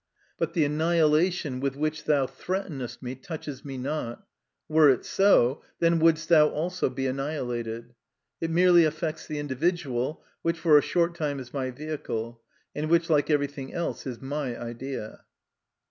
But the annihilation with which thou threatenest me touches me not; were it so, then wouldst thou also be annihilated. It merely affects the individual, which for a short time is my vehicle, and which, like everything else, is my idea.